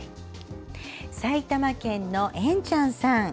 埼玉県のエンちゃんさん。